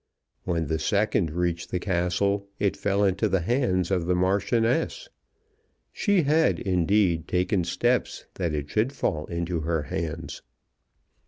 When the second reached the Castle it fell into the hands of the Marchioness. She had, indeed, taken steps that it should fall into her hands.